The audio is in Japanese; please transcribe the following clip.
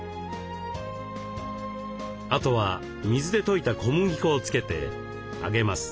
あとは水で溶いた小麦粉をつけて揚げます。